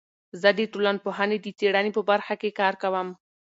زه د ټولنپوهنې د څیړنې په برخه کې کار کوم.